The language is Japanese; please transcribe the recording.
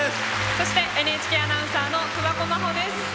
そしてＮＨＫアナウンサーの桑子真帆です。